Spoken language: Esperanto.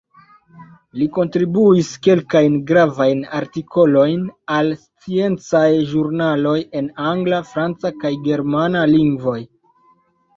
Li kontribuis kelkajn gravajn artikolojn al sciencaj ĵurnaloj en angla, franca kaj germana lingvoj.